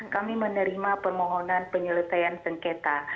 kami menerima permohonan penyelesaian sengketa